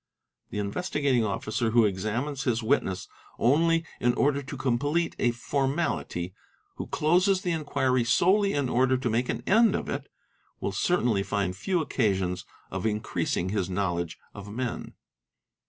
The Investigating Officer who examines his witness only in order to complete a formality, who closes the inquiry solely in order to make an end of it, will certainly find few occasions of increasing his knowledge of men.